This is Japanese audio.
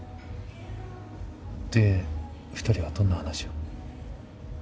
で２人はどんな話を？